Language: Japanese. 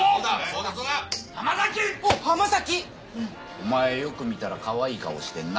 お前よく見たらかわいい顔してんな。